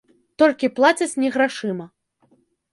Толькі плацяць не грашыма.